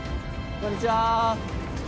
こんにちは。